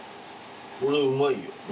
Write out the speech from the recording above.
これはうまいよ。